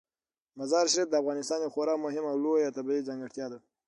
مزارشریف د افغانستان یوه خورا مهمه او لویه طبیعي ځانګړتیا ده.